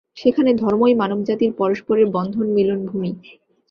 সেখানে ধর্মই মানবজাতির পরস্পরের বন্ধন, মিলনভূমি।